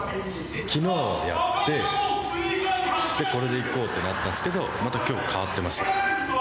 きのうやって、これで行こうってなったんですけどまた、きょう変わってました。